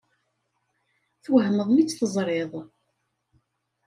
Twehmeḍ mi tt-teẓṛiḍ?